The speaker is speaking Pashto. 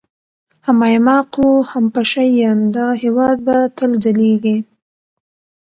هم ايـــماق و هم پـــشــه یــــیــان، دا هـــیــواد به تــل ځلــــــیــــږي